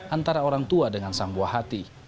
antara orang tua dengan sang buah hati